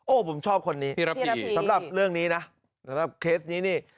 ผมชอบคนนี้รับดีสำหรับเรื่องนี้นะสำหรับเคสนี้นี่